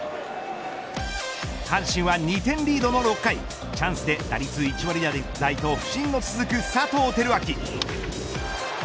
阪神は２点リードの６回チャンスで打率１割台と不振の続く佐藤輝明。